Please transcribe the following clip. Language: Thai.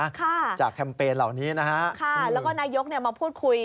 ค่ะจากแคมเปญเหล่านี้นะฮะค่ะแล้วก็นายกเนี่ยมาพูดคุย